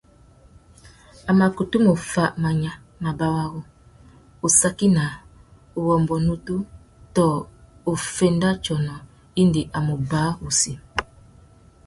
A mà kutu mù fá manya, mabarú, ussaki naā, uwômbô nutu tô uffénda tsônô indi a mù bwa wussi.